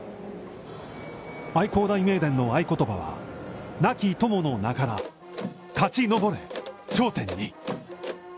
愛工大名電の合い言葉は、亡き友の名から「勝ち登れ頂点に」。